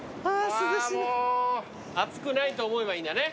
暑くないと思えばいいんだね。